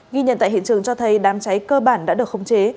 ghi nhận tại hiện trường cho thấy đám cháy cơ bản đã được khống chế